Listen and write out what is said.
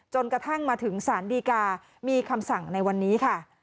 กระทั่งมาถึงสารดีกามีคำสั่งในวันนี้ค่ะ